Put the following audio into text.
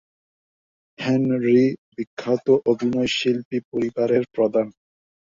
Henry বিখ্যাত অভিনয়শিল্পী পরিবারের প্রধান।